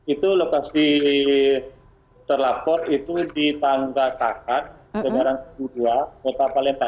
itu lokasi terlapor itu di tangga tangkas daerah kudua kota palembang